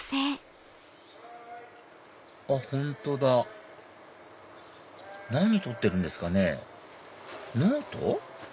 本当だ何撮ってるんですかねノート？